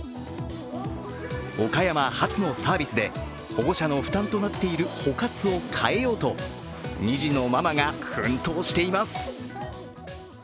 岡山発のサービスで、保護者の負担となっている保活を変えようと２児のママが奮闘しています。